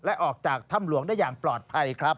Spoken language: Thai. และออกจากถ้ำหลวงได้อย่างปลอดภัยครับ